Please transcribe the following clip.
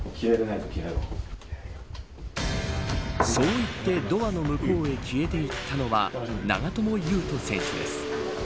そう言ってドアの向こうへ消えていったのは長友佑都選手です。